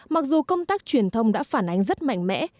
mặc dù công tác truyền thông đã phản ánh rất mạnh mẽ